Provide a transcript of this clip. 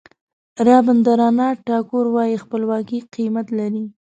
رابندراناټ ټاګور وایي خپلواکي قیمت لري.